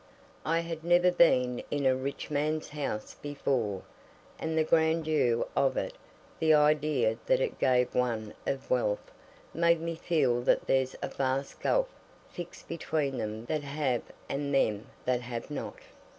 I had never been in a rich man's house before, and the grandeur of it, and the idea that it gave one of wealth, made me feel that there's a vast gulf fixed between them that have and them that have not.